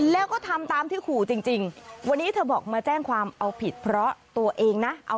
แล้วก็ทำตามที่ขู่จริงวันนี้เธอบอกมาแจ้งความเอาผิดเพราะตัวเองนะเอา